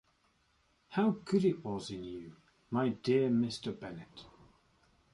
How good it was in you, my dear Mr. Bennet!